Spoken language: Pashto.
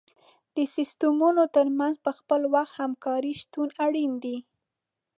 د سیستمونو تر منځ په خپل وخت همکاري شتون اړین دی.